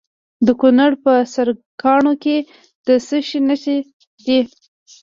د کونړ په سرکاڼو کې د څه شي نښې دي؟